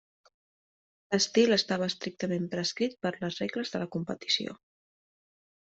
L'estil estava estrictament prescrit per les regles de la competició.